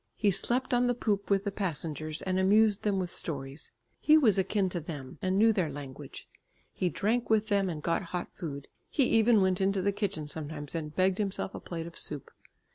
He slept on the poop with the passengers and amused them with stories; he was akin to them, and knew their language. He drank with them and got hot food; he even went into the kitchen sometimes and begged himself a plate of soup.